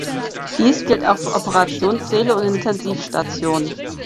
Dies gilt auch für Operationssäle und Intensivstationen.